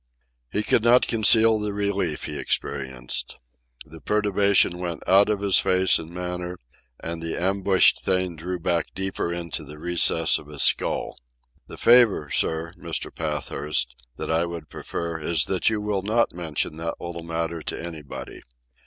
He could not conceal the relief he experienced. The perturbation went out of his face and manner, and the ambushed thing drew back deeper into the recess of his skull. "The favour, sir, Mr. Pathurst, that I would prefer is that you will not mention that little matter to anybody.